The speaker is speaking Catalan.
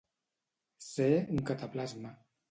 Ser un cataplasma.